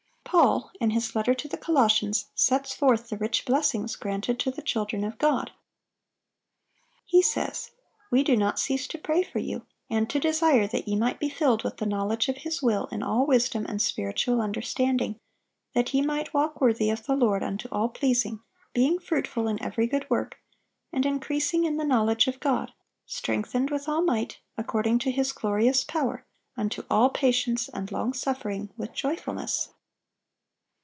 Paul, in his letter to the Colossians, sets forth the rich blessings granted to the children of God. He says: We "do not cease to pray for you, and to desire that ye might be filled with the knowledge of His will in all wisdom and spiritual understanding; that ye might walk worthy of the Lord unto all pleasing, being fruitful in every good work, and increasing in the knowledge of God; strengthened with all might, according to His glorious power, unto all patience and long suffering with joyfulness."